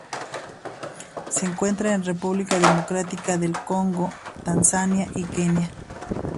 Se encuentra en República Democrática del Congo, Tanzania y Kenia.